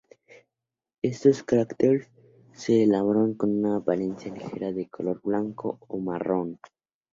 Estos crackers se elaboran con una apariencia ligera de color blanco o marrón.